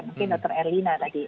mungkin dr erlina tadi